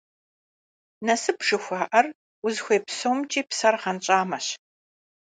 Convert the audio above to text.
Насып жыхуаӀэр узыхуей псомкӀи псэр гъэнщӀамэщ.